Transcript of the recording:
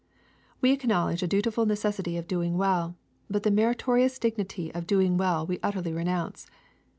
*' We acknowledge a dutiful necessity of doing well : but the meritorious dignity of doing well we utterly renounce.